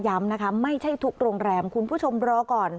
นะคะไม่ใช่ทุกโรงแรมคุณผู้ชมรอก่อน